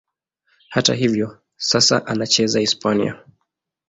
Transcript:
Hata hivyo, sasa anacheza Hispania.